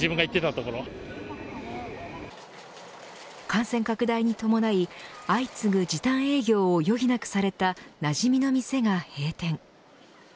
感染拡大に伴い相次ぐ時短営業を余儀なくされたなじみの店が閉店。